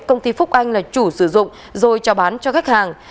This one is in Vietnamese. công ty phúc anh là chủ sử dụng rồi trao bán cho khách hàng